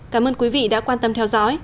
cảm ơn quý vị đã quan tâm theo dõi